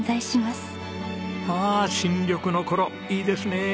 ああ新緑の頃いいですね。